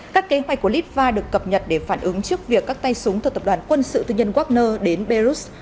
các kế hoạch của litva được cập nhật để phản ứng trước việc các tay súng từ tập đoàn quân sự tư nhân wagner đến belarus